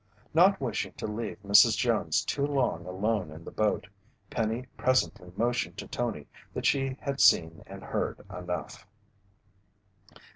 Not wishing to leave Mrs. Jones too long alone in the boat, Penny presently motioned to Tony that she had seen and heard enough.